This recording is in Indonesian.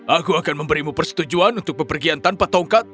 aku akan memberimu persetujuan untuk bepergian tanpa tongkat